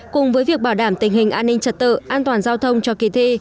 cùng với việc bảo đảm tình hình an ninh trật tự an toàn giao thông cho kỳ thi